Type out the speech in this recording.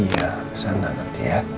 iya kesana nanti ya